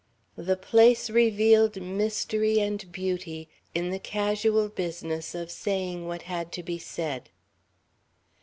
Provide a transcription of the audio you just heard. The place revealed mystery and beauty in the casual business of saying what had to be said.